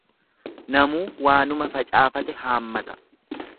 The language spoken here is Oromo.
Namuu waanuma facaafate haammata.